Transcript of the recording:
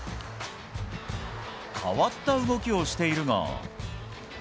変わった動きをしているが。